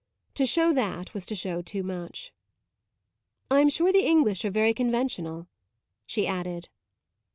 To show that was to show too much. "I'm sure the English are very conventional," she added.